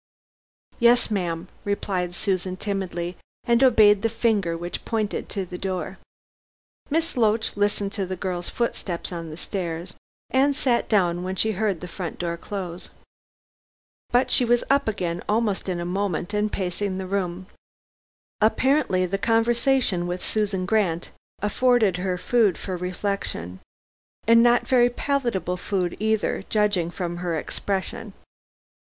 "Yes, ma'am," replied Susan timidly, and obeyed the finger which pointed to the door. Miss Loach listened to the girl's footsteps on the stairs, and sat down when she heard the front door close. But she was up again almost in a moment and pacing the room. Apparently the conversation with Susan Grant afforded her food for reflection. And not very palatable food either, judging from her expression.